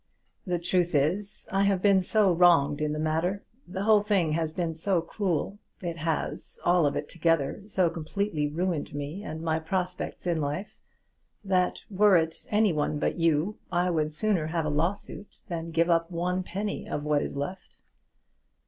"The truth is, I have been so wronged in the matter, the whole thing has been so cruel, it has, all of it together, so completely ruined me and my prospects in life, that were it any one but you, I would sooner have a lawsuit than give up one penny of what is left."